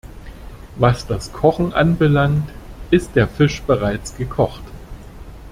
Was das Kochen anbelangt, ist der Fisch bereits gekocht.